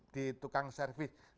di tukang servis